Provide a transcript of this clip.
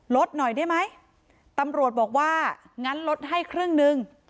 ลดหน่อยได้ไหมตำรวจบอกว่างั้นลดให้ครึ่งหนึ่ง